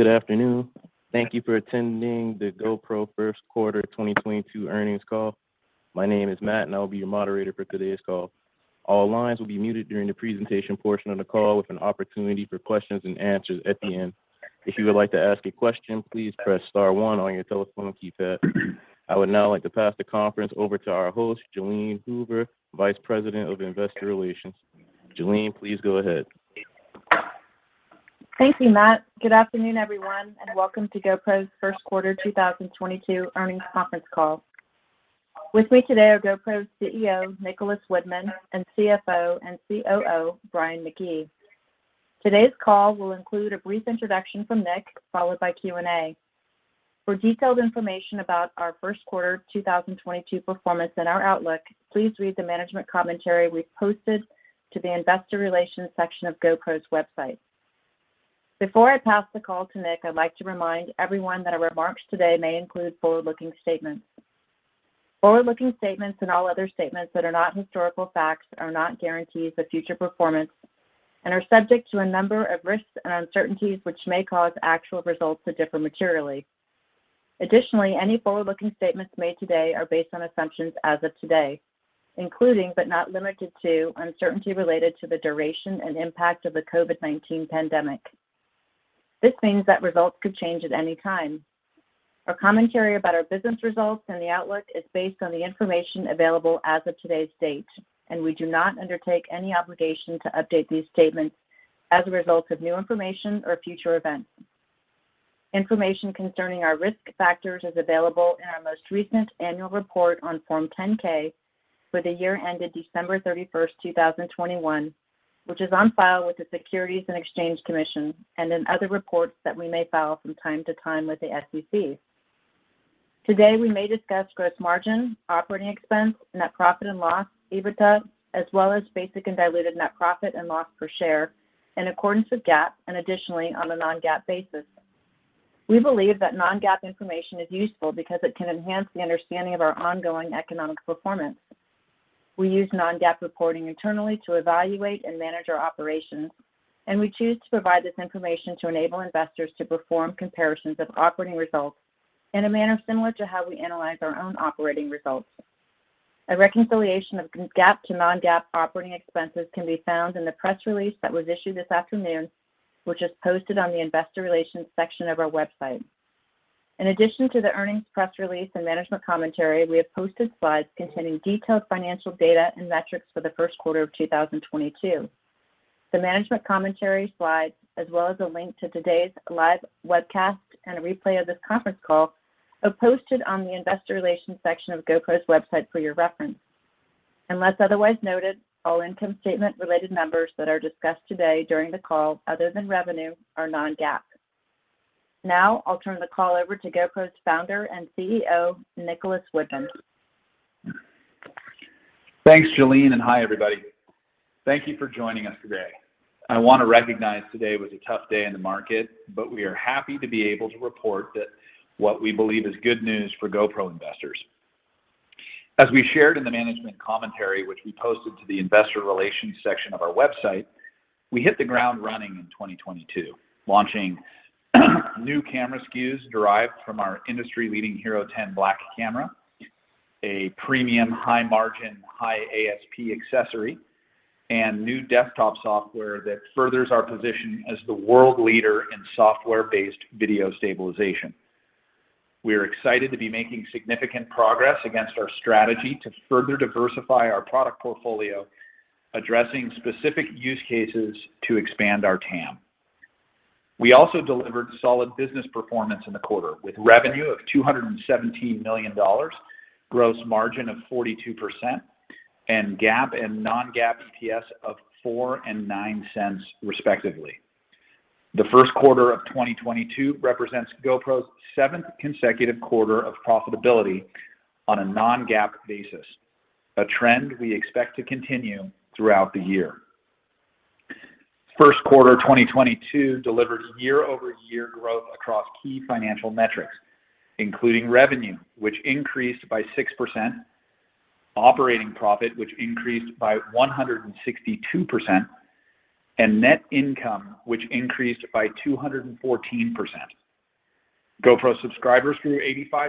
Good afternoon. Thank you for attending the GoPro First Quarter 2022 Earnings Call. My name is Matt, and I'll be your moderator for today's call. All lines will be muted during the presentation portion of the call with an opportunity for questions and answers at the end. If you would like to ask a question, please press star one on your telephone keypad. I would now like to pass the conference over to our host, Jalene Hoover, Vice President of Investor Relations. Jalene, please go ahead. Thank you, Matt. Good afternoon, everyone, and welcome to GoPro's first quarter 2022 earnings conference call. With me today are GoPro's CEO, Nicholas Woodman, and CFO and COO, Brian McGee. Today's call will include a brief introduction from Nick, followed by Q&A. For detailed information about our first quarter 2022 performance and our outlook, please read the management commentary we posted to the investor relations section of GoPro's website. Before I pass the call to Nick, I'd like to remind everyone that our remarks today may include forward-looking statements. Forward-looking statements and all other statements that are not historical facts are not guarantees of future performance and are subject to a number of risks and uncertainties, which may cause actual results to differ materially. Additionally, any forward-looking statements made today are based on assumptions as of today, including, but not limited to, uncertainty related to the duration and impact of the COVID-19 pandemic. This means that results could change at any time. Our commentary about our business results and the outlook is based on the information available as of today's date, and we do not undertake any obligation to update these statements as a result of new information or future events. Information concerning our risk factors is available in our most recent annual report on Form 10-K for the year ended December 31st, 2021, which is on file with the Securities and Exchange Commission and in other reports that we may file from time to time with the SEC. Today, we may discuss gross margin, operating expense, net profit and loss, EBITDA, as well as basic and diluted net profit and loss per share in accordance with GAAP, and additionally on a non-GAAP basis. We believe that non-GAAP information is useful because it can enhance the understanding of our ongoing economic performance. We use non-GAAP reporting internally to evaluate and manage our operations, and we choose to provide this information to enable investors to perform comparisons of operating results in a manner similar to how we analyze our own operating results. A reconciliation of GAAP to non-GAAP operating expenses can be found in the press release that was issued this afternoon, which is posted on the investor relations section of our website. In addition to the earnings press release and management commentary, we have posted slides containing detailed financial data and metrics for the first quarter of 2022. The management commentary slides, as well as a link to today's live webcast and a replay of this conference call, are posted on the investor relations section of GoPro's website for your reference. Unless otherwise noted, all income statement-related numbers that are discussed today during the call, other than revenue, are non-GAAP. Now, I'll turn the call over to GoPro's Founder and CEO, Nicholas Woodman. Thanks, Jalene, and hi, everybody. Thank you for joining us today. I want to recognize today was a tough day in the market, but we are happy to be able to report that what we believe is good news for GoPro investors. As we shared in the management commentary, which we posted to the investor relations section of our website, we hit the ground running in 2022, launching new camera SKUs derived from our industry-leading HERO10 Black camera, a premium high-margin, high-ASP accessory, and new desktop software that furthers our position as the world leader in software-based video stabilization. We are excited to be making significant progress against our strategy to further diversify our product portfolio, addressing specific use cases to expand our TAM. We also delivered solid business performance in the quarter, with revenue of $217 million, gross margin of 42%, and GAAP and non-GAAP EPS of $0.04 and $0.09, respectively. The first quarter of 2022 represents GoPro's seventh consecutive quarter of profitability on a non-GAAP basis, a trend we expect to continue throughout the year. First quarter 2022 delivered year-over-year growth across key financial metrics, including revenue, which increased by 6%, operating profit, which increased by 162%, and net income, which increased by 214%. GoPro subscribers grew 85%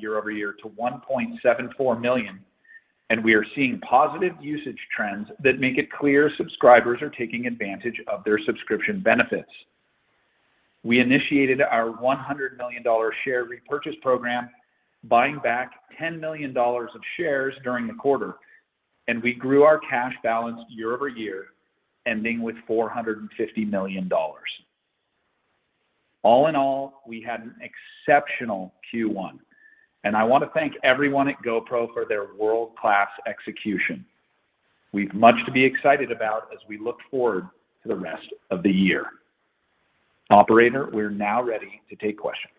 year-over-year to 1.74 million, and we are seeing positive usage trends that make it clear subscribers are taking advantage of their subscription benefits. We initiated our $100 million share repurchase program, buying back $10 million of shares during the quarter, and we grew our cash balance year-over-year, ending with $450 million. All in all, we had an exceptional Q1, and I want to thank everyone at GoPro for their world-class execution. We've much to be excited about as we look forward to the rest of the year. Operator, we're now ready to take questions.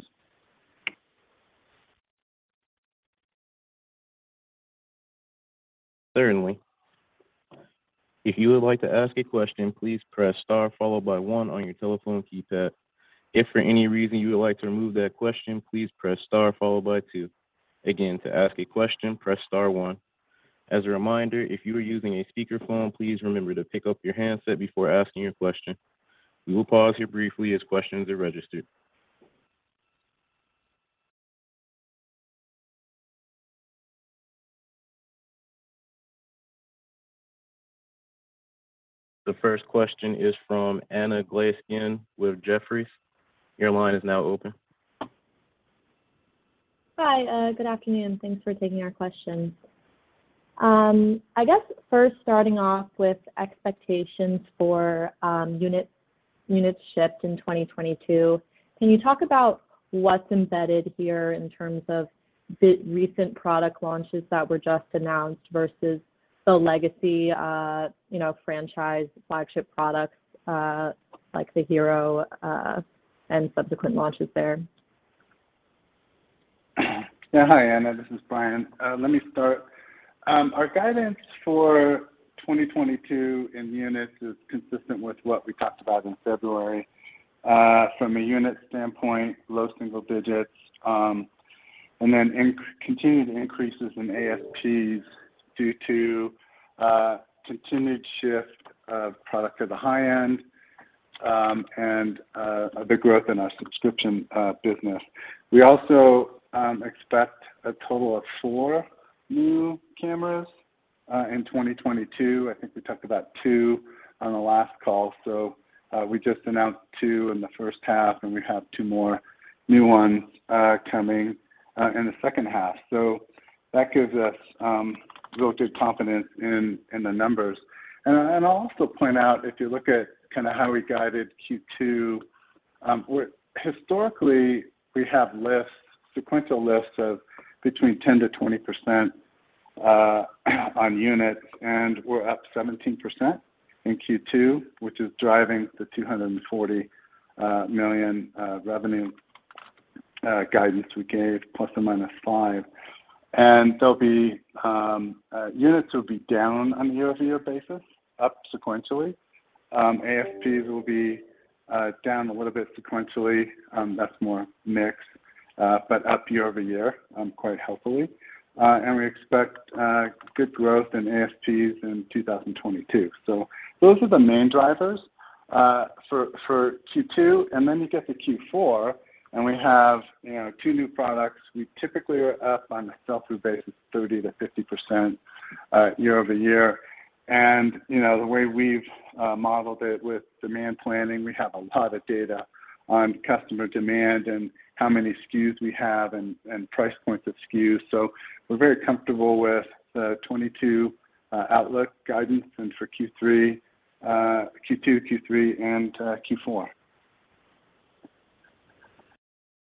Certainly. If you would like to ask a question, please press star followed by one on your telephone keypad. If for any reason you would like to remove that question, please press star followed by two. Again, to ask a question, press star one. As a reminder, if you are using a speakerphone, please remember to pick up your handset before asking your question. We will pause here briefly as questions are registered. The first question is from Anna Glaessgen with Jefferies. Your line is now open. Hi, good afternoon. Thanks for taking our questions. I guess first starting off with expectations for units shipped in 2022, can you talk about what's embedded here in terms of the recent product launches that were just announced versus the legacy, you know, franchise flagship products, like the HERO, and subsequent launches there? Yeah. Hi, Anna. This is Brian. Let me start. Our guidance for 2022 in units is consistent with what we talked about in February. From a unit standpoint, low single digits, and then continued increases in ASPs due to continued shift of product to the high end, and the growth in our subscription business. We also expect a total of four new cameras in 2022. I think we talked about two on the last call, so we just announced two in the first half, and we have two more new ones coming in the second half. So that gives us relative confidence in the numbers. I'll also point out, if you look at kinda how we guided Q2, historically, we have lifts, sequential lifts of between 10%-20% on units, and we're up 17% in Q2, which is driving the $240 million revenue guidance we gave, ±5. There'll be units will be down on a year-over-year basis, up sequentially. ASPs will be down a little bit sequentially, that's more mixed, but up year-over-year, quite healthily. We expect good growth in ASPs in 2022. Those are the main drivers for Q2. Then you get to Q4, and we have, you know, two new products. We typically are up on a sell-through basis 30%-50% year-over-year. You know, the way we've modeled it with demand planning, we have a lot of data on customer demand and how many SKUs we have and price points of SKUs. We're very comfortable with the 2022 outlook guidance and for Q2, Q3, and Q4.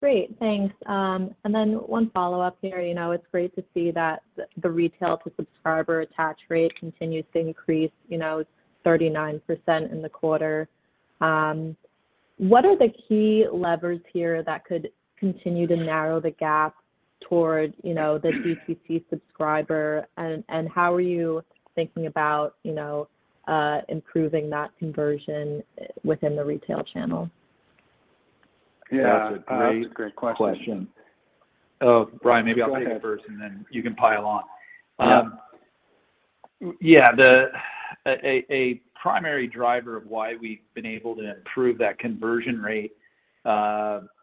Great. Thanks. One follow-up here. You know, it's great to see that the retail-to-subscriber attach rate continues to increase, you know, 39% in the quarter. What are the key levers here that could continue to narrow the gap towards, you know, the DTC subscriber, and how are you thinking about, you know, improving that conversion within the retail channel? Yeah. That's a great question. That's a great question. Oh, Brian, maybe I'll take it first, and then you can pile on. Yeah. The primary driver of why we've been able to improve that conversion rate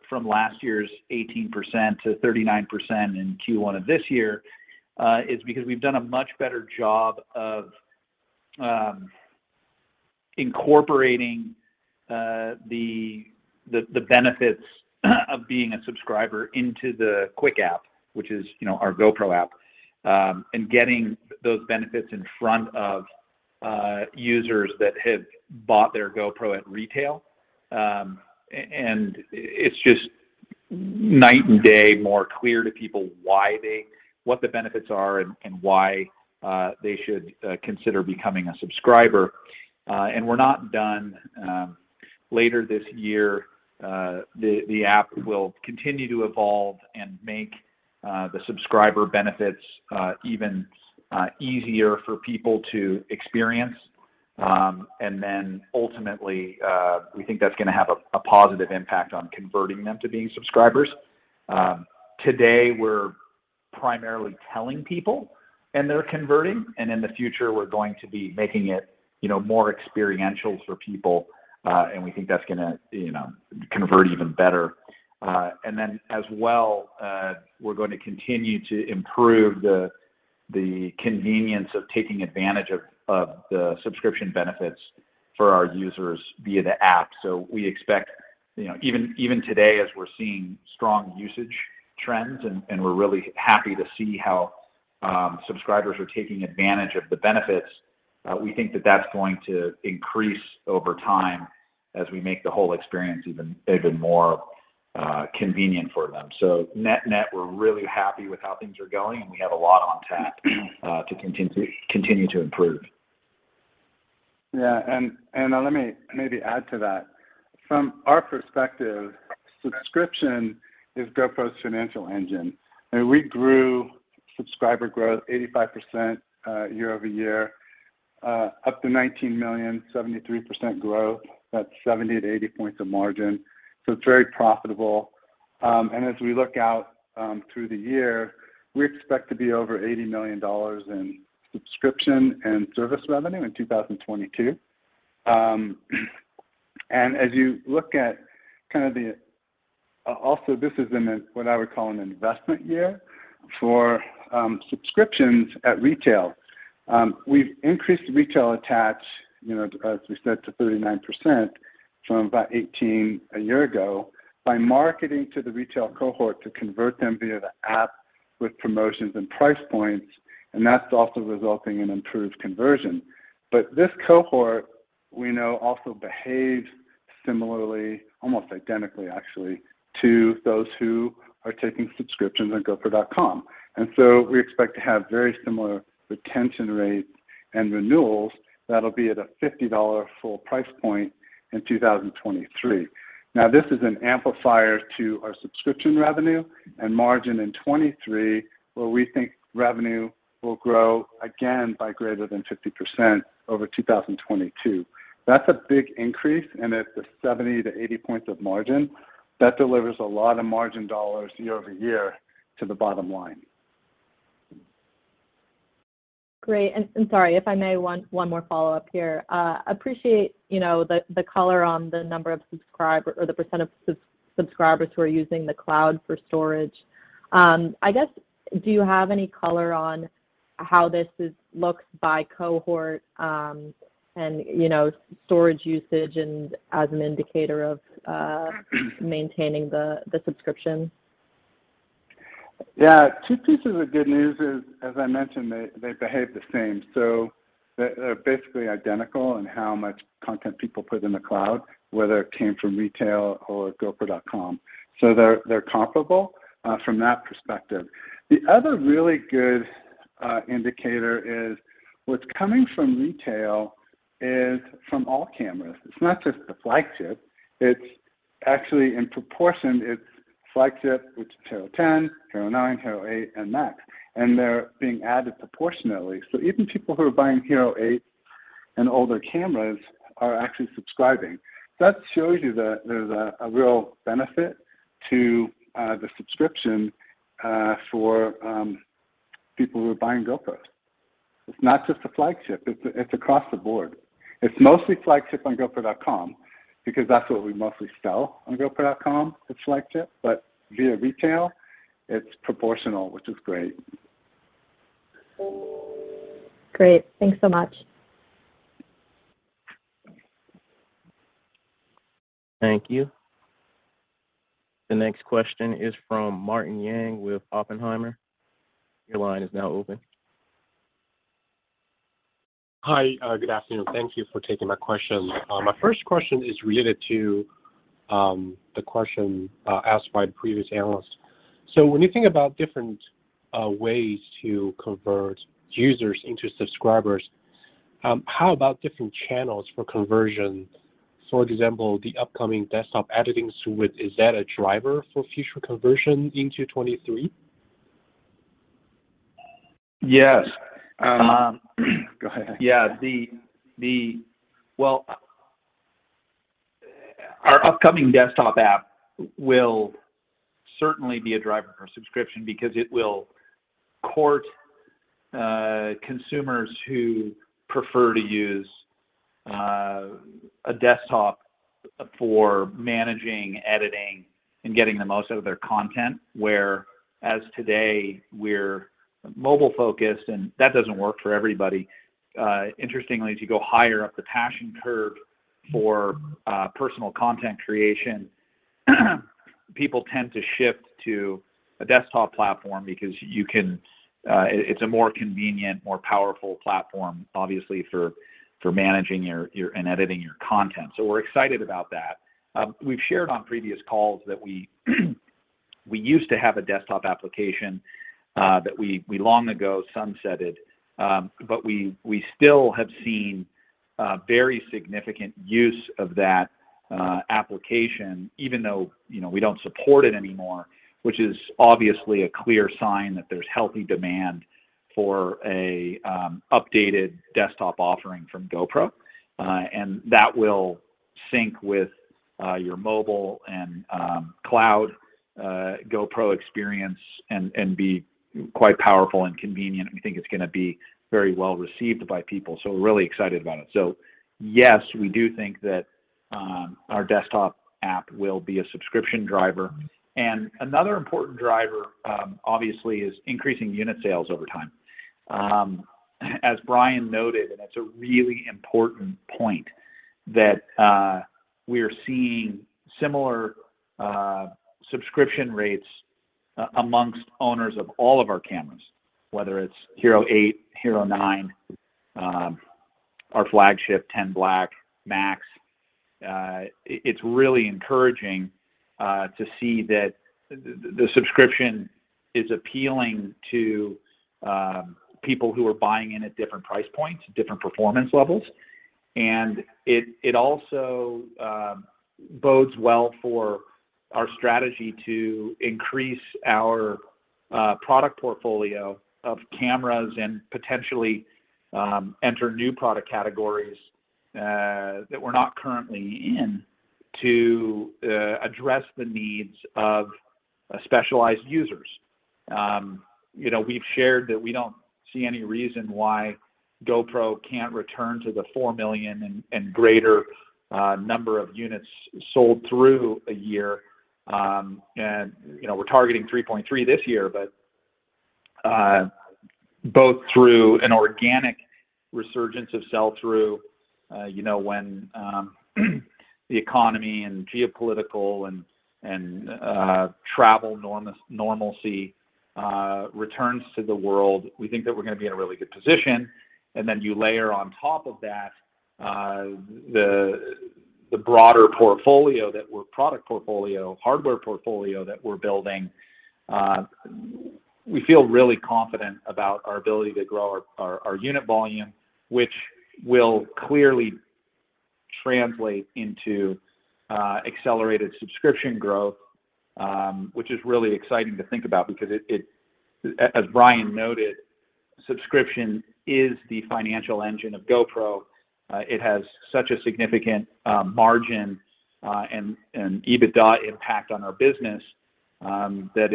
from last year's 18% to 39% in Q1 of this year is because we've done a much better job of incorporating the benefits of being a subscriber into the Quik app, which is, you know, our GoPro app, and getting those benefits in front of users that have bought their GoPro at retail. It's just night and day more clear to people why what the benefits are and why they should consider becoming a subscriber. We're not done. Later this year, the app will continue to evolve and make the subscriber benefits even easier for people to experience. Ultimately, we think that's gonna have a positive impact on converting them to being subscribers. Today, we're primarily telling people, and they're converting. In the future, we're going to be making it, you know, more experiential for people, and we think that's gonna, you know, convert even better. We're going to continue to improve the convenience of taking advantage of the subscription benefits for our users via the app. We expect, you know, even today as we're seeing strong usage trends, and we're really happy to see how subscribers are taking advantage of the benefits, we think that that's going to increase over time as we make the whole experience even more convenient for them. Net-net, we're really happy with how things are going, and we have a lot on tap, to continue to improve. Yeah. Anna, let me maybe add to that. From our perspective, subscription is GoPro's financial engine. I mean, we grew subscriber growth 85%, year-over-year. Up to 19 million, 73% growth. That's 70-80 points of margin, so it's very profitable. And as we look out through the year, we expect to be over $80 million in subscription and service revenue in 2022. And as you look at, also, this is in a what I would call an investment year for subscriptions at retail. We've increased retail attach, you know, as we said, to 39% from about 18 a year ago by marketing to the retail cohort to convert them via the app with promotions and price points, and that's also resulting in improved conversion. This cohort, we know, also behaves similarly, almost identically actually, to those who are taking subscriptions on GoPro.com. We expect to have very similar retention rates and renewals that'll be at a $50 full price point in 2023. Now, this is an amplifier to our subscription revenue and margin in 2023, where we think revenue will grow again by greater than 50% over 2022. That's a big increase, and at the 70-80 points of margin, that delivers a lot of margin dollars year-over-year to the bottom line. Great. Sorry, if I may, one more follow-up here. Appreciate, you know, the color on the number of subscribers or the percent of subscribers who are using the cloud for storage. I guess, do you have any color on how this looks by cohort, and, you know, storage usage and as an indicator of maintaining the subscription? Yeah. Two pieces of good news is, as I mentioned, they behave the same. They're basically identical in how much content people put in the cloud, whether it came from retail or gopro.com. They're comparable from that perspective. The other really good indicator is what's coming from retail is from all cameras. It's not just the flagship. It's actually in proportion it's flagship, which is HERO10, HERO9, HERO8, and MAX, and they're being added proportionally. Even people who are buying HERO8 and older cameras are actually subscribing. That shows you that there's a real benefit to the subscription for people who are buying GoPro. It's not just the flagship, it's across the board. It's mostly flagship on gopro.com because that's what we mostly sell on gopro.com, it's flagship. Via retail, it's proportional, which is great. Great. Thanks so much. Thank you. The next question is from Martin Yang with Oppenheimer. Your line is now open. Hi. Good afternoon. Thank you for taking my question. My first question is related to the question asked by the previous analyst. When you think about different ways to convert users into subscribers, how about different channels for conversion? For example, the upcoming desktop editing suite, is that a driver for future conversion into 2023? Yes. Go ahead. Well, our upcoming desktop app will certainly be a driver for subscription because it will court consumers who prefer to use a desktop for managing, editing, and getting the most out of their content. Whereas today, we're mobile-focused, and that doesn't work for everybody. Interestingly, as you go higher up the passion curve for personal content creation, people tend to shift to a desktop platform because it's a more convenient, more powerful platform, obviously, for managing and editing your content. We're excited about that. We've shared on previous calls that we used to have a desktop application that we long ago sunsetted. We still have seen very significant use of that application, even though, you know, we don't support it anymore, which is obviously a clear sign that there's healthy demand for an updated desktop offering from GoPro. That will sync with your mobile and cloud GoPro experience and be quite powerful and convenient. We think it's gonna be very well-received by people, so we're really excited about it. Yes, we do think that our desktop app will be a subscription driver. Another important driver obviously is increasing unit sales over time. As Brian noted, and it's a really important point, that we are seeing similar subscription rates amongst owners of all of our cameras, whether it's HERO8, HERO9, our flagship HERO10 Black, MAX. It's really encouraging to see that the subscription is appealing to people who are buying in at different price points, different performance levels. It also bodes well for our strategy to increase our product portfolio of cameras and potentially enter new product categories that we're not currently in to address the needs of specialized users. You know, we've shared that we don't see any reason why GoPro can't return to the four million and greater number of units sold through a year. You know, we're targeting 3.3 this year, but both through an organic resurgence of sell-through, you know, when the economy and geopolitical and travel normalcy returns to the world, we think that we're gonna be in a really good position. Then you layer on top of that, the broader portfolio that were product portfolio, hardware portfolio that we're building, we feel really confident about our ability to grow our unit volume, which will clearly translate into accelerated subscription growth, which is really exciting to think about because it, as Brian noted, subscription is the financial engine of GoPro. It has such a significant margin and EBITDA impact on our business, that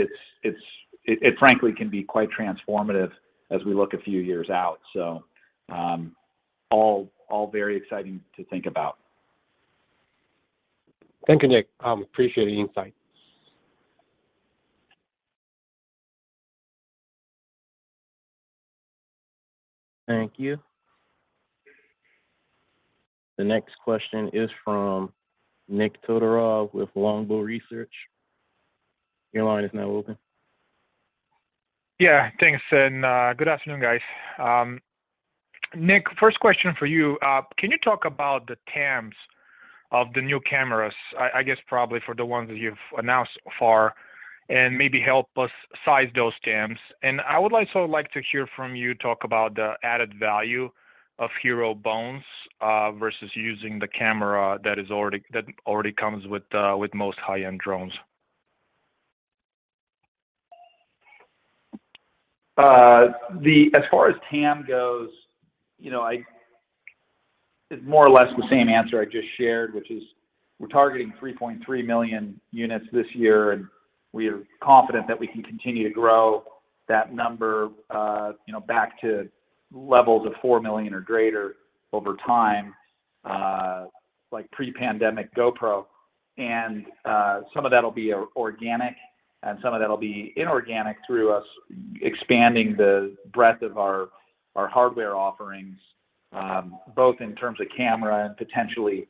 it frankly can be quite transformative as we look a few years out. All very exciting to think about. Thank you, Nick. Appreciate the insight. Thank you. The next question is from Nikolay Todorov with Longbow Research. Your line is now open. Yeah. Thanks. Good afternoon, guys. Nick, first question for you. Can you talk about the TAMs of the new cameras? I guess probably for the ones that you've announced so far, and maybe help us size those TAMs. I would also like to hear from you talk about the added value of HERO Bones versus using the camera that already comes with most high-end drones. As far as TAM goes, you know, it's more or less the same answer I just shared, which is we're targeting 3.3 million units this year, and we are confident that we can continue to grow that number, you know, back to levels of four million or greater over time, like pre-pandemic GoPro. Some of that'll be organic and some of that'll be inorganic through us expanding the breadth of our hardware offerings, both in terms of camera and potentially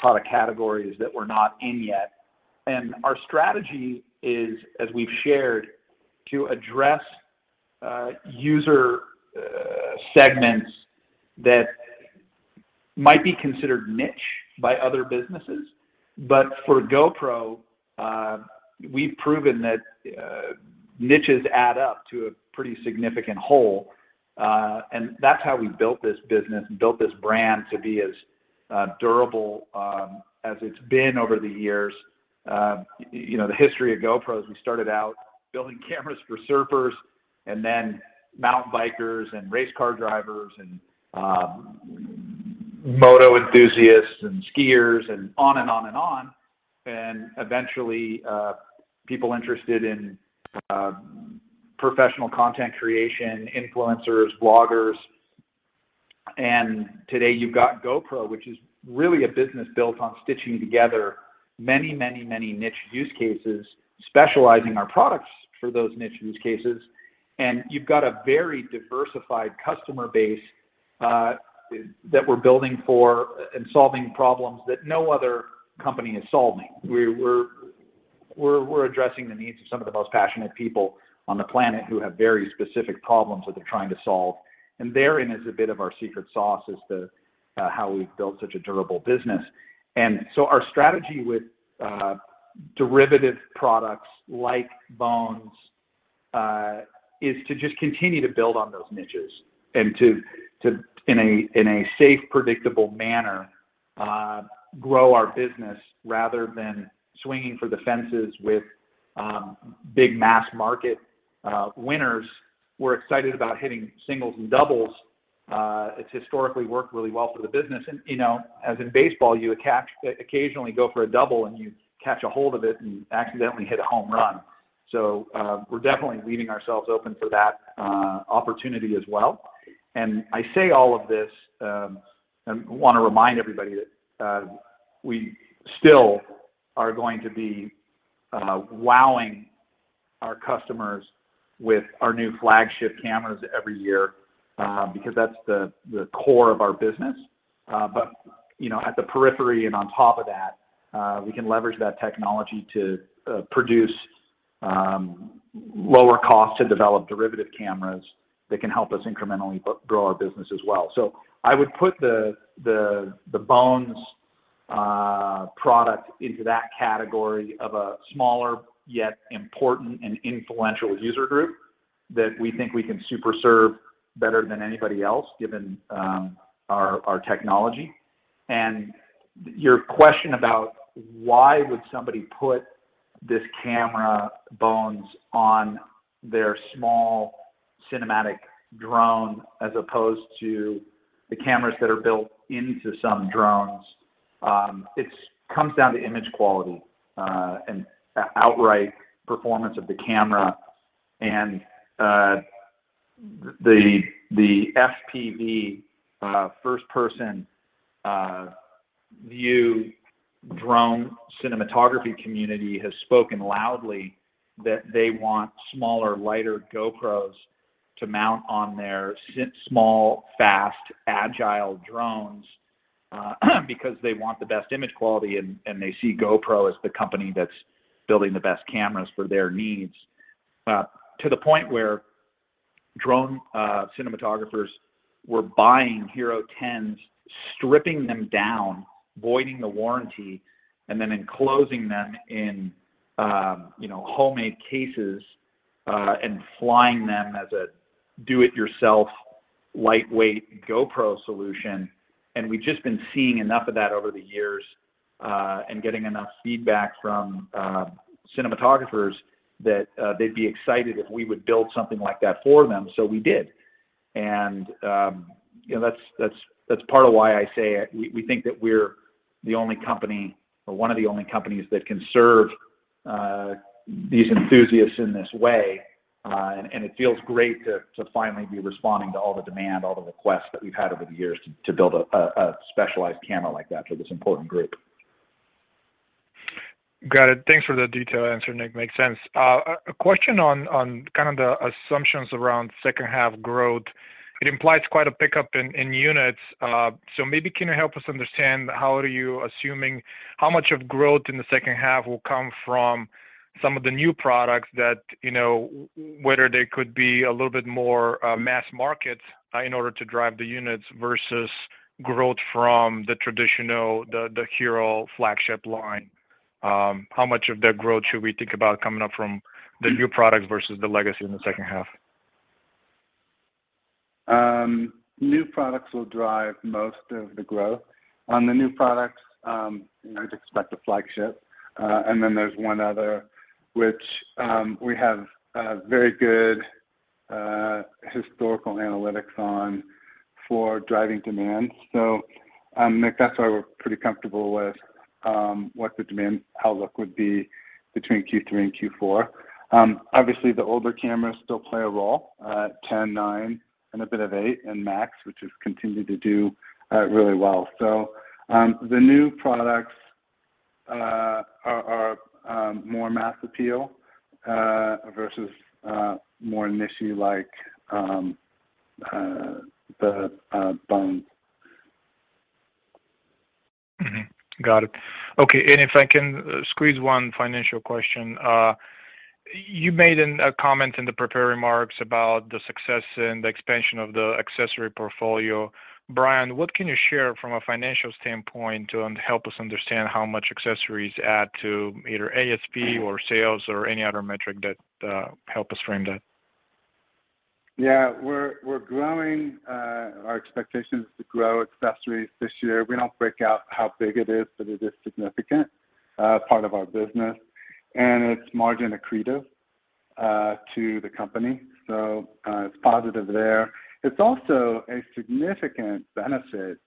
product categories that we're not in yet. Our strategy is, as we've shared, to address user segments that might be considered niche by other businesses. For GoPro, we've proven that niches add up to a pretty significant whole, and that's how we built this business and built this brand to be as durable as it's been over the years. You know, the history of GoPro is we started out building cameras for surfers and then mountain bikers and race car drivers and moto enthusiasts and skiers and on and on and on. Eventually, people interested in professional content creation, influencers, bloggers. Today you've got GoPro, which is really a business built on stitching together many, many, many niche use cases, specializing our products for those niche use cases. You've got a very diversified customer base, that we're building for and solving problems that no other company is solving. We're addressing the needs of some of the most passionate people on the planet who have very specific problems that they're trying to solve. Therein is a bit of our secret sauce as to how we've built such a durable business. Our strategy with derivative products like Bones is to just continue to build on those niches and to in a safe, predictable manner grow our business rather than swinging for the fences with big mass market winners. We're excited about hitting singles and doubles. It's historically worked really well for the business. You know, as in baseball, occasionally go for a double and you catch a hold of it and accidentally hit a home run. We're definitely leaving ourselves open for that opportunity as well. I say all of this and wanna remind everybody that we still are going to be wowing our customers with our new flagship cameras every year because that's the core of our business. You know, at the periphery and on top of that, we can leverage that technology to produce lower cost to develop derivative cameras that can help us incrementally grow our business as well. I would put the Bones Product into that category of a smaller, yet important and influential user group that we think we can super serve better than anybody else, given our technology. Your question about why would somebody put this camera Bones on their small cinematic drone as opposed to the cameras that are built into some drones, it comes down to image quality and outright performance of the camera. The FPV first person view drone cinematography community has spoken loudly that they want smaller, lighter GoPros to mount on their small, fast, agile drones because they want the best image quality and they see GoPro as the company that's building the best cameras for their needs. To the point where drone cinematographers were buying HERO10s, stripping them down, voiding the warranty, and then enclosing them in, you know, homemade cases, and flying them as a do-it-yourself lightweight GoPro solution. We've just been seeing enough of that over the years, and getting enough feedback from cinematographers that they'd be excited if we would build something like that for them, so we did. You know, that's part of why I say we think that we're the only company or one of the only companies that can serve these enthusiasts in this way. It feels great to finally be responding to all the demand, all the requests that we've had over the years to build a specialized camera like that for this important group. Got it. Thanks for the detailed answer, Nick. Makes sense. A question on kind of the assumptions around second half growth. It implies quite a pickup in units. So maybe can you help us understand how are you assuming how much of growth in the second half will come from some of the new products that, you know, whether they could be a little bit more mass market in order to drive the units versus growth from the traditional HERO flagship line? How much of that growth should we think about coming up from the new products versus the legacy in the second half? New products will drive most of the growth. On the new products, you know, just expect a flagship. There's one other which we have a very good historical analytics on for driving demand. Nick, that's why we're pretty comfortable with what the demand outlook would be between Q3 and Q4. Obviously, the older cameras still play a role, HERO10, HERO9, and a bit of HERO8 and MAX, which has continued to do really well. The new products are more mass appeal versus more niche-y like the Bones. Mm-hmm. Got it. Okay. If I can squeeze one financial question. You made a comment in the prepared remarks about the success and the expansion of the accessory portfolio. Brian, what can you share from a financial standpoint to help us understand how much accessories add to either ASP or sales or any other metric that help us frame that? Yeah. We're growing our expectations to grow accessories this year. We don't break out how big it is, but it is significant part of our business, and it's margin accretive to the company, so it's positive there. It's also a significant benefit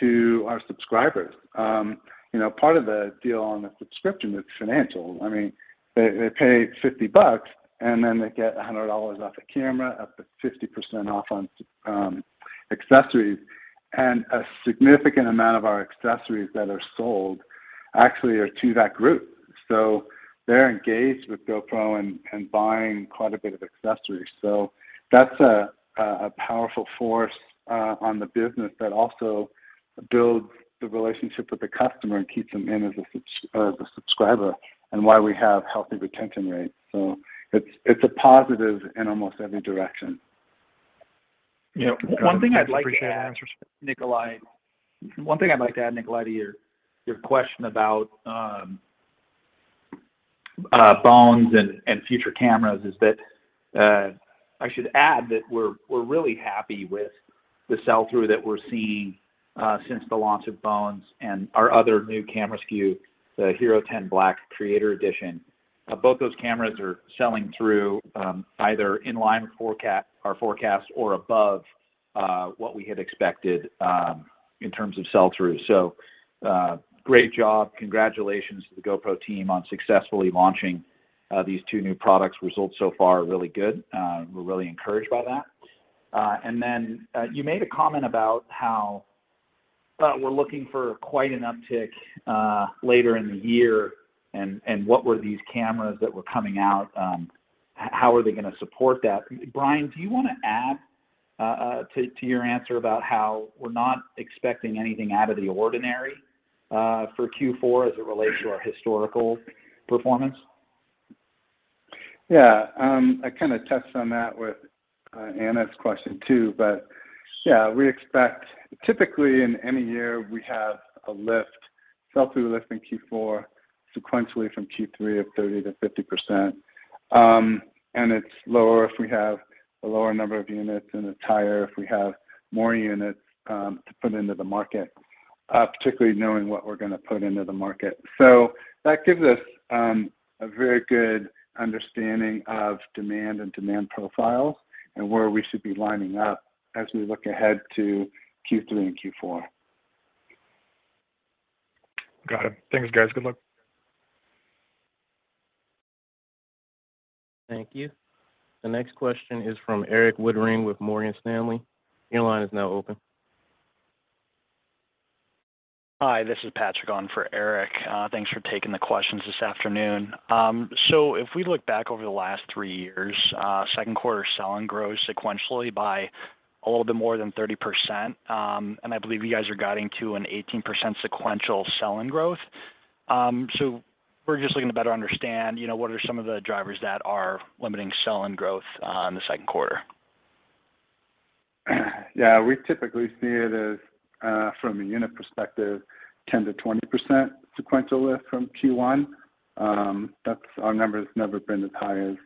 to our subscribers. You know, part of the deal on the subscription is financial. I mean, they pay $50, and then they get $100 off a camera, up to 50% off on accessories. A significant amount of our accessories that are sold actually are to that group. They're engaged with GoPro and buying quite a bit of accessories. That's a powerful force on the business that also builds the relationship with the customer and keeps them in as a subscriber and why we have healthy retention rates. It's a positive in almost every direction. Yeah. One thing I'd like to add, Nikolay. Appreciate the answer. One thing I'd like to add, Nikolay, to your question about Bones and future cameras is that I should add that we're really happy with the sell-through that we're seeing since the launch of Bones and our other new camera SKU, the HERO10 Black Creator Edition. Both those cameras are selling through either in line with forecast, our forecast or above what we had expected in terms of sell-through. Great job. Congratulations to the GoPro team on successfully launching these two new products. Results so far are really good. We're really encouraged by that. You made a comment about how we're looking for quite an uptick later in the year and what were these cameras that were coming out, how are they gonna support that? Brian, do you wanna add to your answer about how we're not expecting anything out of the ordinary for Q4 as it relates to our historical performance? I kind of touched on that with Anna's question too, but yeah, we expect typically in any year, we have a lift, sell-through lift in Q4 sequentially from Q3 of 30%-50%. And it's lower if we have a lower number of units, and it's higher if we have more units to put into the market, particularly knowing what we're gonna put into the market. That gives us a very good understanding of demand and demand profile and where we should be lining up as we look ahead to Q3 and Q4. Got it. Thanks, guys. Good luck. Thank you. The next question is from Erik Woodring with Morgan Stanley. Your line is now open. Hi, this is Patrick on for Erik. Thanks for taking the questions this afternoon. If we look back over the last three years, second quarter sell-in grows sequentially by a little bit more than 30%. I believe you guys are guiding to an 18% sequential sell-in growth. We're just looking to better understand, you know, what are some of the drivers that are limiting sell-in growth in the second quarter. Yeah. We typically see it as, from a unit perspective, 10%-20% sequential lift from Q1. That's our number's never been as high as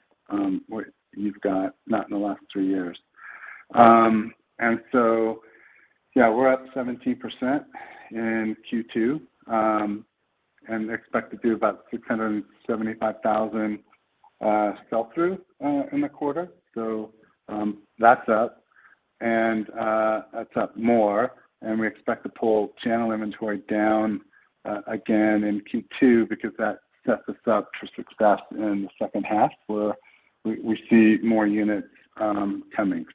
what you've got, not in the last three years. Yeah, we're up 17% in Q2, and expect to do about 675,000 sell-through in the quarter. That's up, and that's up more, and we expect to pull channel inventory down again in Q2 because that sets us up for success in the second half where we see more units coming.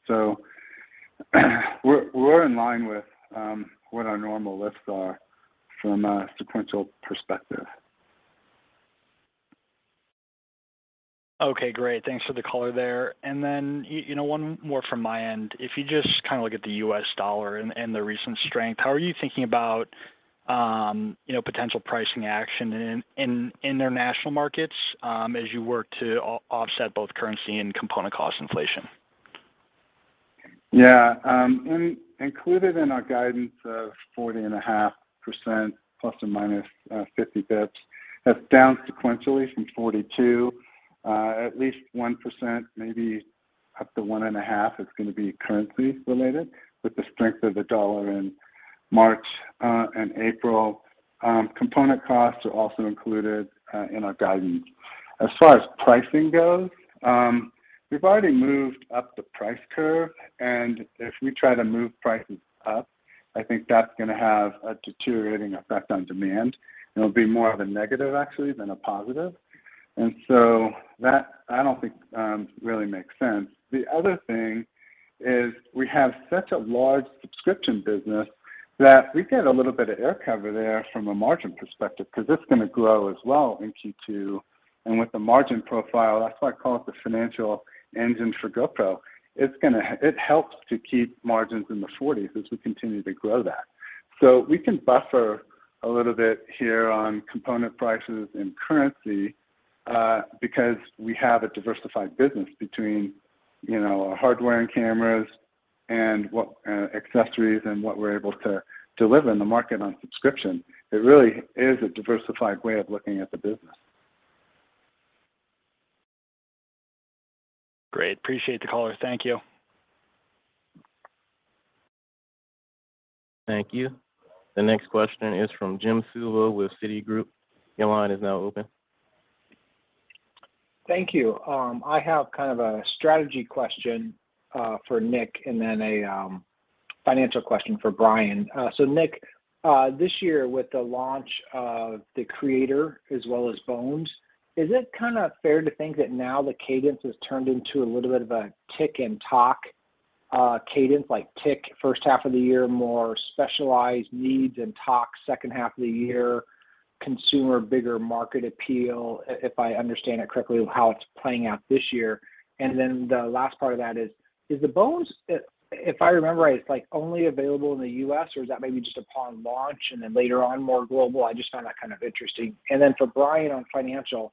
We're in line with what our normal lifts are from a sequential perspective. Okay, great. Thanks for the color there. You know, one more from my end. If you just kind of look at the U.S. dollar and the recent strength, how are you thinking about, you know, potential pricing action in international markets, as you work to offset both currency and component cost inflation? Included in our guidance of 40.5% ±50 basis points, that's down sequentially from 42%. At least 1%, maybe up to 1.5% is gonna be currency related with the strength of the U.S. dollar in March and April. Component costs are also included in our guidance. As far as pricing goes, we've already moved up the price curve, and if we try to move prices up, I think that's gonna have a deteriorating effect on demand, and it'll be more of a negative actually than a positive. That I don't think really makes sense. The other thing is we have such a large subscription business that we get a little bit of air cover there from a margin perspective because it's gonna grow as well in Q2. With the margin profile, that's why I call it the financial engine for GoPro. It helps to keep margins in the 40s% as we continue to grow that. We can buffer a little bit here on component prices and currency, because we have a diversified business between, you know, our hardware and cameras and what, accessories and what we're able to deliver in the market on subscription. It really is a diversified way of looking at the business. Great. Appreciate the color. Thank you. Thank you. The next question is from Jim Suva with Citigroup. Your line is now open. Thank you. I have kind of a strategy question for Nick and then a financial question for Brian. Nick, this year with the launch of the Creator as well as Bones, is it kinda fair to think that now the cadence has turned into a little bit of a tick and tock cadence? Like tick first half of the year, more specialized needs and tock second half of the year, consumer, bigger market appeal, if I understand it correctly, how it's playing out this year. The last part of that is the Bones, if I remember right, it's like only available in the U.S. or is that maybe just upon launch and then later on more global? I just found that kind of interesting. For Brian on financial,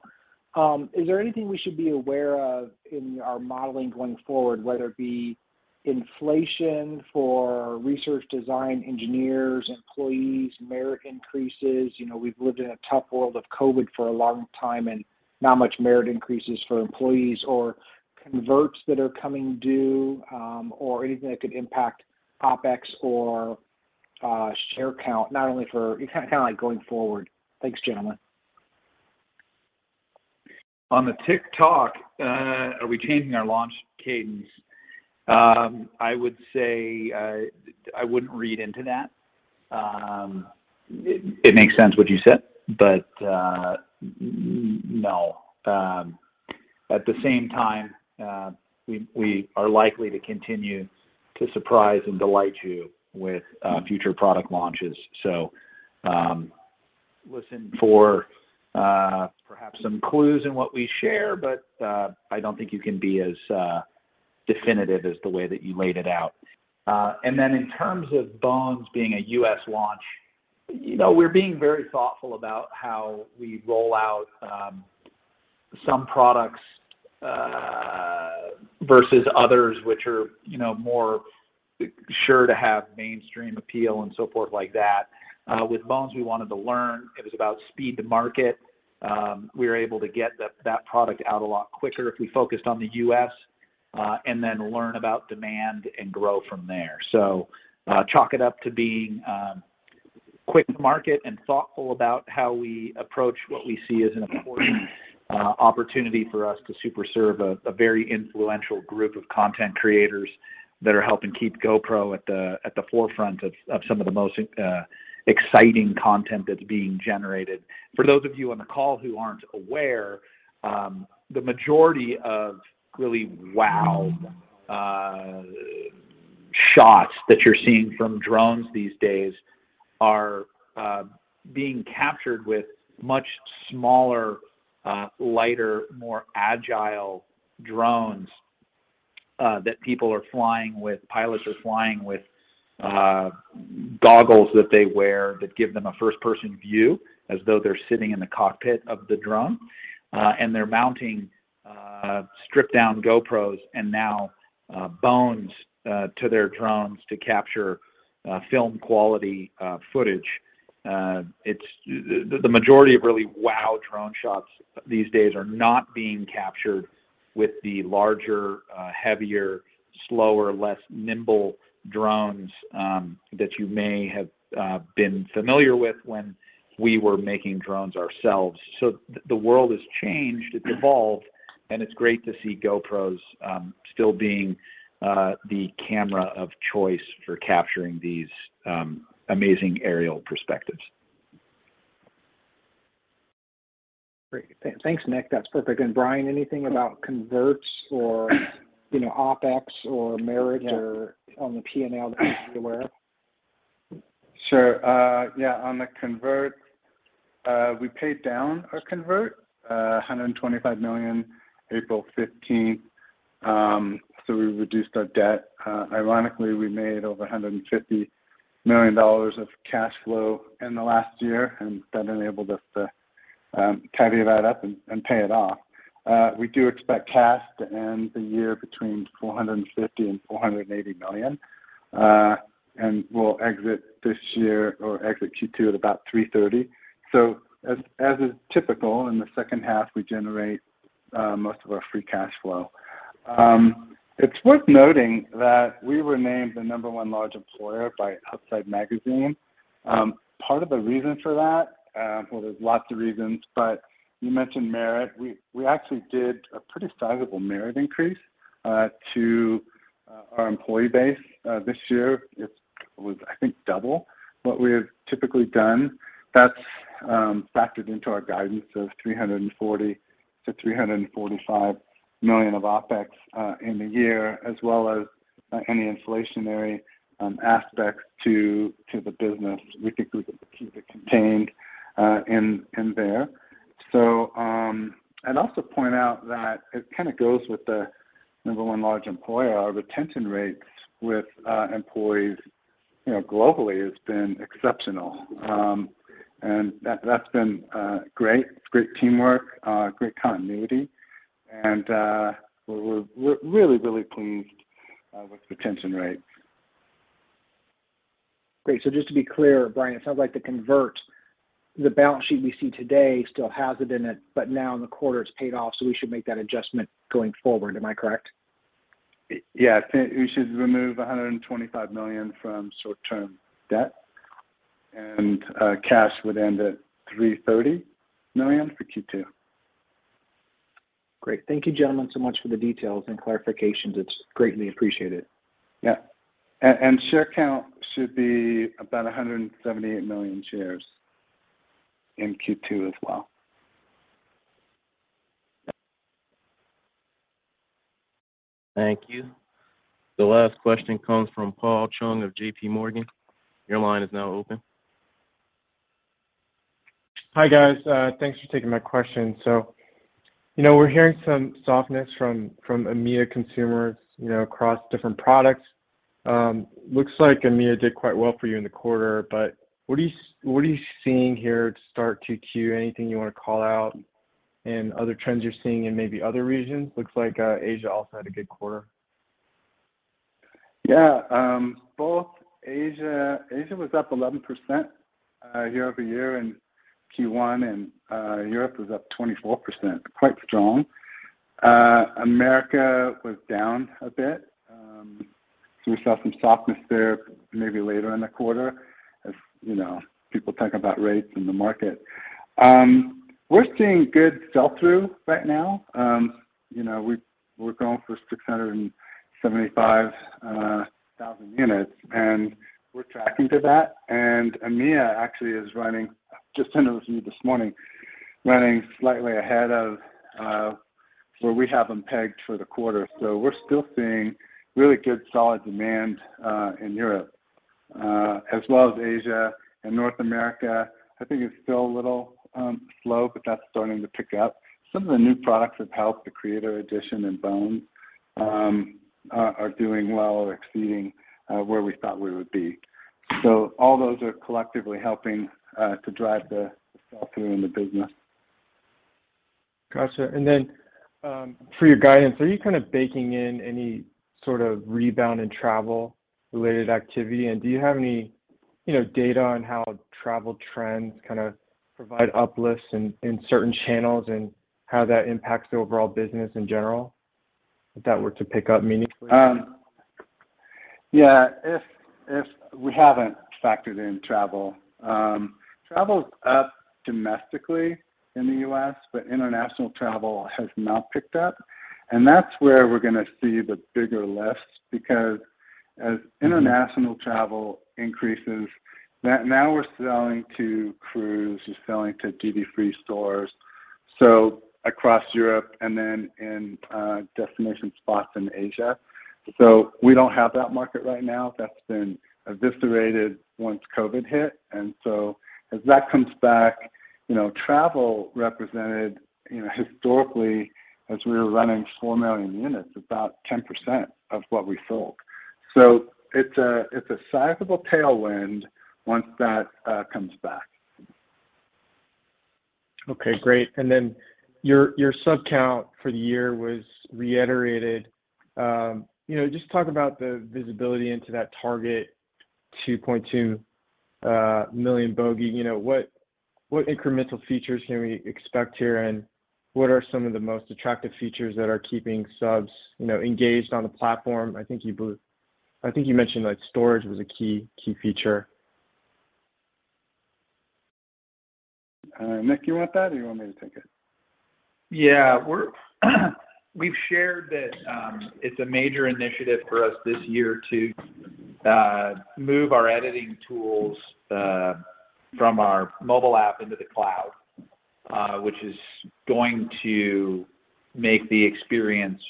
is there anything we should be aware of in our modeling going forward, whether it be inflation for Research Design engineers, employees, merit increases? You know, we've lived in a tough world of COVID for a long time and not much merit increases for employees or converts that are coming due, or anything that could impact OpEx or share count, not only for kind of like going forward. Thanks, gentlemen. On the tick-tock, are we changing our launch cadence? I would say, I wouldn't read into that. It makes sense what you said, but no. At the same time, we are likely to continue to surprise and delight you with future product launches. So, listen for perhaps some clues in what we share, but I don't think you can be as definitive as the way that you laid it out. Then in terms of Bones being a U.S. launch, you know, we're being very thoughtful about how we roll out some products versus others which are, you know, more sure to have mainstream appeal and so forth like that. With Bones, we wanted to learn. It was about speed to market. We were able to get the product out a lot quicker if we focused on the U.S., and then learn about demand and grow from there. Chalk it up to being quick to market and thoughtful about how we approach what we see as an important opportunity for us to super serve a very influential group of content creators that are helping keep GoPro at the forefront of some of the most exciting content that's being generated. For those of you on the call who aren't aware, the majority of really wow shots that you're seeing from drones these days are being captured with much smaller, lighter, more agile drones that people are flying with. Pilots are flying with goggles that they wear that give them a first-person view as though they're sitting in the cockpit of the drone. They're mounting stripped-down GoPros and now Bones to their drones to capture film quality footage. It's the majority of really wow drone shots these days are not being captured with the larger heavier slower less nimble drones that you may have been familiar with when we were making drones ourselves. The world has changed, it's evolved, and it's great to see GoPros still being the camera of choice for capturing these amazing aerial perspectives. Great. Thanks, Nick. That's perfect. Brian, anything about converts or, you know, OpEx or merit or on the P&L that you're aware of? Sure. Yeah, on the convert, we paid down our convert $125 million April 15th, so we reduced our debt. Ironically, we made over $150 million of cash flow in the last year, and that enabled us to petty that up and pay it off. We do expect cash to end the year between $450 million and $480 million. We'll exit the year or exit Q2 at about $330 million. As is typical, in the second half, we generate most of our free cash flow. It's worth noting that we were named the number one large employer by Outside Magazine. Part of the reason for that, well, there's lots of reasons, but you mentioned merit. We actually did a pretty sizable merit increase to our employee base this year. It was, I think, double what we have typically done. That's factored into our guidance of $340 million-$345 million of OpEx in the year, as well as any inflationary aspects to the business. We think we can keep it contained in there. I'd also point out that it kind of goes with the number one large employer, our retention rates with employees, you know, globally has been exceptional. That's been great. It's great teamwork, great continuity, and we're really pleased with the retention rates. Great. Just to be clear, Brian, it sounds like the convert, the balance sheet we see today still has it in it, but now in the quarter it's paid off, so we should make that adjustment going forward. Am I correct? Yeah. I think we should remove $125 million from short-term debt, and cash would end at $330 million for Q2. Great. Thank you, gentlemen, so much for the details and clarifications. It's greatly appreciated. Yeah. Share count should be about 178 million shares in Q2 as well. Thank you. The last question comes from Paul Chung of J.P. Morgan. Your line is now open. Hi, guys. Thanks for taking my question. You know, we're hearing some softness from EMEA consumers, you know, across different products. Looks like EMEA did quite well for you in the quarter, but what are you seeing here to start 2Q? Anything you wanna call out and other trends you're seeing in maybe other regions? Looks like Asia also had a good quarter. Asia was up 11% year-over-year in Q1, and Europe was up 24%. Quite strong. America was down a bit. We saw some softness there maybe later in the quarter as you know, people talk about rates in the market. We're seeing good sell-through right now. You know, we're going for 675,000 units, and we're tracking to that. EMEA actually is running, just sending this to you this morning, running slightly ahead of where we have them pegged for the quarter. We're still seeing really good, solid demand in Europe, as well as Asia and North America. I think it's still a little slow, but that's starting to pick up. Some of the new products have helped. The Creator Edition and Bones are doing well or exceeding where we thought we would be. All those are collectively helping to drive the sell-through in the business. Gotcha. For your guidance, are you kind of baking in any sort of rebound in travel-related activity? Do you have any, you know, data on how travel trends kind of provide uplifts in certain channels, and how that impacts the overall business in general, if that were to pick up meaningfully? We haven't factored in travel. Travel's up domestically in the U.S., but international travel has not picked up, and that's where we're gonna see the bigger lift because as international travel increases, now we're selling to cruise, we're selling to duty-free stores, so across Europe and then in destination spots in Asia. We don't have that market right now. That's been eviscerated once COVID hit. As that comes back, you know, travel represented, you know, historically, as we were running four million units, about 10% of what we sold. It's a sizable tailwind once that comes back. Okay, great. Your sub count for the year was reiterated. You know, just talk about the visibility into that target 2.2 million bogey. You know, what incremental features can we expect here, and what are some of the most attractive features that are keeping subs engaged on the platform? I think you mentioned, like, storage was a key feature. Nick, you want that or you want me to take it? Yeah. We've shared that it's a major initiative for us this year to move our editing tools from our mobile app into the cloud, which is going to make the experience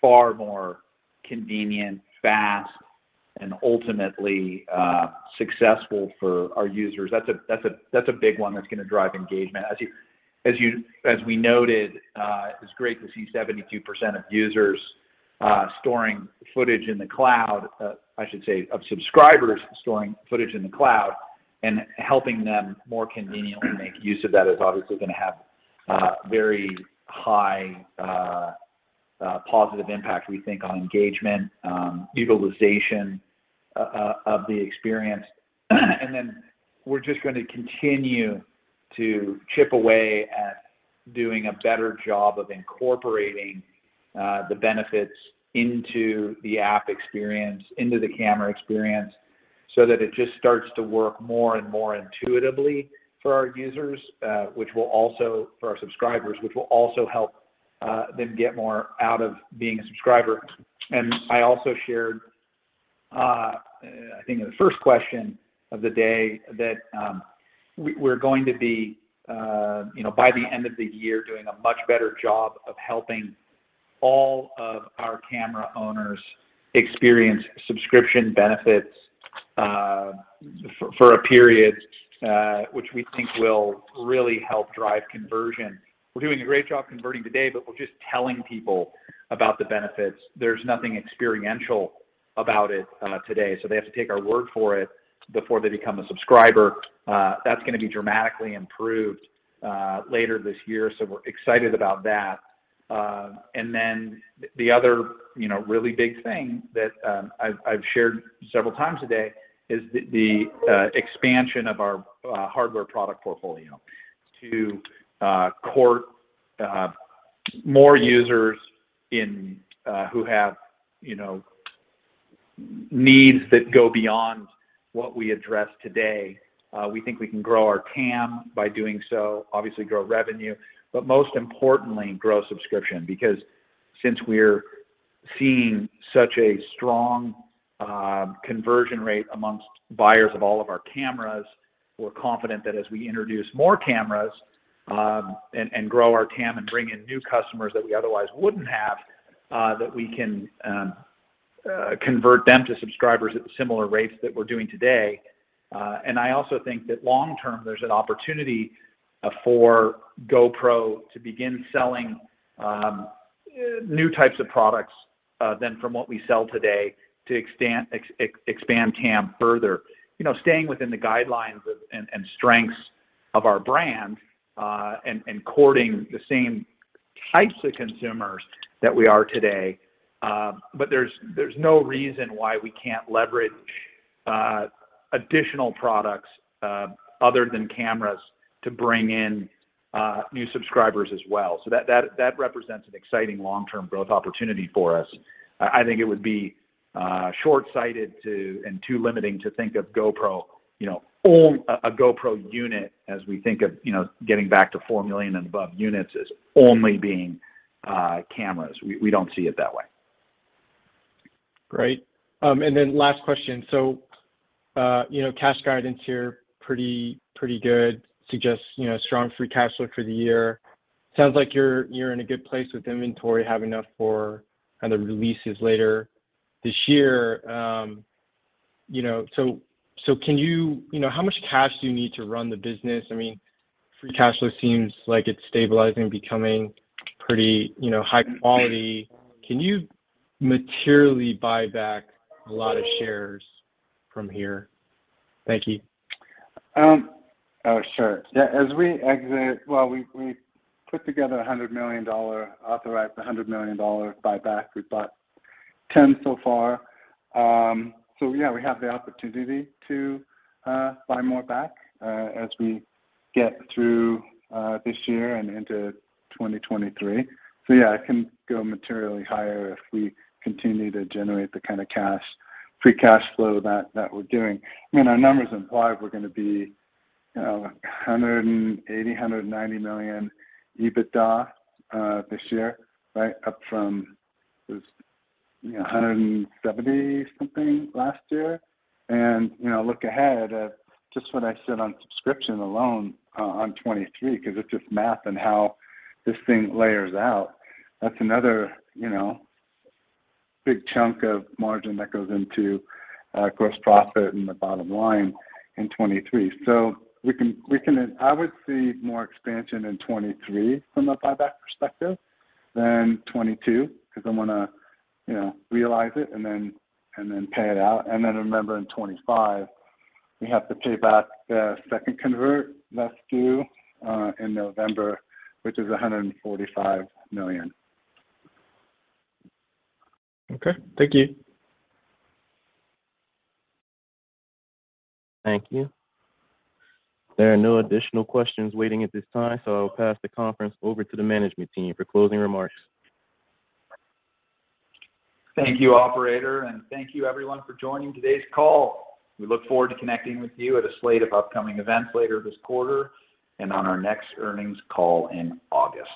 far more convenient, fast, and ultimately successful for our users. That's a big one that's gonna drive engagement. As we noted, it's great to see 72% of users storing footage in the cloud, I should say, of subscribers storing footage in the cloud, and helping them more conveniently make use of that is obviously gonna have a very high positive impact, we think, on engagement, utilization of the experience. Then we're just gonna continue to chip away at doing a better job of incorporating the benefits into the app experience, into the camera experience, so that it just starts to work more and more intuitively for our users, which will also, for our subscribers, which will also help them get more out of being a subscriber. I also shared, I think in the first question of the day, that we're going to be, you know, by the end of the year, doing a much better job of helping all of our camera owners experience subscription benefits, for a period, which we think will really help drive conversion. We're doing a great job converting today, but we're just telling people about the benefits. There's nothing experiential about it today, so they have to take our word for it before they become a subscriber. That's gonna be dramatically improved later this year, so we're excited about that. The other, you know, really big thing that I've shared several times today is the expansion of our hardware product portfolio to court more users who have, you know, needs that go beyond what we address today. We think we can grow our TAM by doing so, obviously grow revenue, but most importantly, grow subscription. Because since we're seeing such a strong conversion rate among buyers of all of our cameras, we're confident that as we introduce more cameras, and grow our TAM and bring in new customers that we otherwise wouldn't have, that we can convert them to subscribers at the similar rates that we're doing today. I also think that long term, there's an opportunity for GoPro to begin selling new types of products other than what we sell today to expand TAM further. You know, staying within the guidelines of and strengths of our brand, and courting the same types of consumers that we are today, there's no reason why we can't leverage additional products other than cameras to bring in new subscribers as well. That represents an exciting long-term growth opportunity for us. I think it would be shortsighted and too limiting to think of GoPro, you know, on a GoPro unit as we think of, you know, getting back to four million and above units as only being cameras. We don't see it that way. Great. Last question. Cash guidance here, pretty good. Suggests strong free cash flow for the year. Sounds like you're in a good place with inventory, have enough for other releases later this year. How much cash do you need to run the business? I mean, free cash flow seems like it's stabilizing, becoming pretty high quality. Can you materially buy back a lot of shares from here? Thank you. Oh, sure. Yeah, as we exit. Well, we put together a $100 million authorized buyback. We bought $10 million so far. So yeah, we have the opportunity to buy more back as we get through this year and into 2023. So yeah, it can go materially higher if we continue to generate the kind of cash, free cash flow that we're doing. I mean, our numbers imply we're gonna be, you know, $180-$190 million EBITDA this year, right? Up from this, you know, 170-something last year. You know, look ahead at just what I said on subscription alone on 2023, because it's just math and how this thing layers out. That's another, you know, big chunk of margin that goes into gross profit and the bottom line in 2023. I would see more expansion in 2023 from a buyback perspective than 2022, because I wanna, you know, realize it and then pay it out. Remember in 2025, we have to pay back the second convert that's due in November, which is $145 million. Okay. Thank you. Thank you. There are no additional questions waiting at this time, so I'll pass the conference over to the management team for closing remarks. Thank you, operator, and thank you everyone for joining today's call. We look forward to connecting with you at a slate of upcoming events later this quarter and on our next earnings call in August.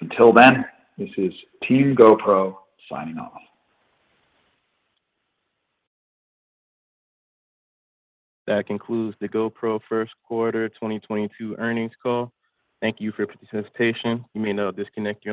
Until then, this is Team GoPro signing off. That concludes the GoPro first quarter 2022 earnings call. Thank you for your participation. You may now disconnect your-